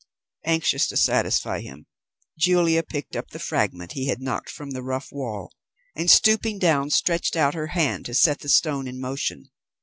Anxious to satisfy him, Julia picked up the fragment he had knocked from the rough wall, and stooping down stretched out her hand to set the stone in motion.